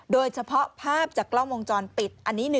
โดยเฉพาะภาพจากกล้องมงจรปิด